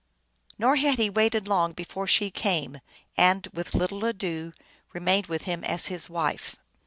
Nor had he waited long before she came, and, with little ado, remained with him as his wife.